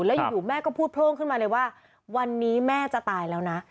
แล้วอยู่แม่ก็พูดโพร่งขึ้นมาเลยว่าวันนี้แม่จะตายแล้วนะ